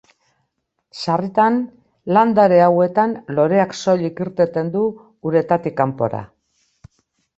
Sarritan, landare hauetan loreak soilik irteten du uretatik kanpora.